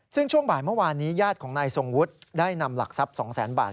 ซึ่งช่วงบ่ายเมื่อวานนี้ญาติของนายทรงวุฒิได้นำหลักทรัพย์๒๐๐๐๐บาท